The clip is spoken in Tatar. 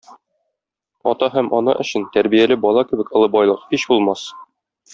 Ата һәм ана өчен тәрбияле бала кебек олы байлык һич булмас.